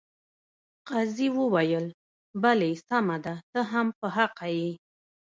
قاضي وویل بلې سمه ده ته هم په حقه یې.